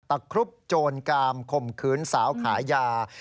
ครุบโจรกามข่มขืนสาวขายยา